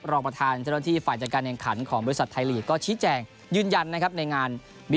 รองประธานเจ้าหน้าที่ฝ่ายจัดการแข่งขันของบริษัทไทยลีกก็ชี้แจงยืนยันนะครับในงาน